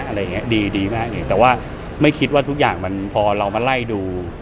อะไรอย่างเงี้ดีดีมากอย่างนี้แต่ว่าไม่คิดว่าทุกอย่างมันพอเรามาไล่ดู